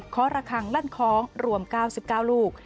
ระคังลั่นคล้องรวม๙๙ลูก